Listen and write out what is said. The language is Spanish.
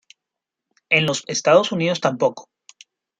En los Estados Unidos tampoco.